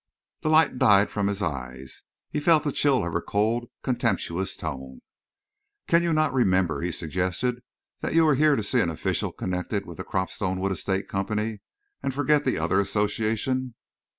The light died from his eyes. He felt the chill of her cold, contemptuous tone. "Can you not remember," he suggested, "that you are here to see an official connected with the Cropstone Wood Estates Company and forget the other association?"